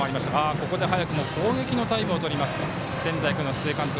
ここで早くも攻撃のタイムをとります仙台育英の須江監督。